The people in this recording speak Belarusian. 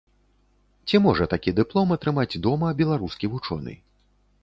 Ці можа такі дыплом атрымаць дома беларускі вучоны?